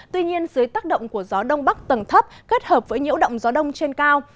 tuy nhiên dưới tác động của gió đông bắc tầng thấp kết hợp với nhiễu động gió đông trên cao